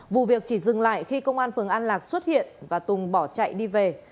vụ việc chỉ dừng lại khi công an phường an lạc xuất hiện và tùng bỏ chạy đi về